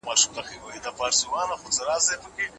که حفظ الصحه دوامداره وي، ساري ناروغۍ نه پیاوړې کېږي.